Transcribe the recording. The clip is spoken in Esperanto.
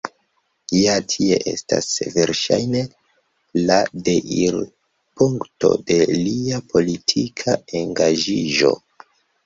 Ja tie estas, verŝajne, la deirpunkto de lia politika engaĝiĝo.